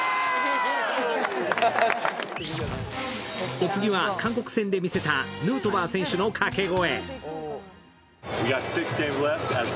お次は韓国戦で見せたヌートバー選手の掛け声。